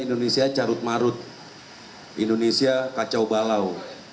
indonesia carut marut indonesia kacau balau